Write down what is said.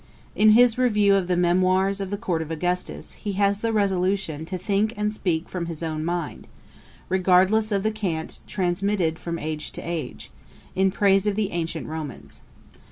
In his review of the 'Memoirs of the Court of Augustus,' he has the resolution to think and speak from his own mind, regardless of the cant transmitted from age to age, in praise of the ancient Romans.